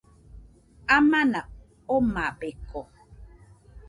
Amana omabeko.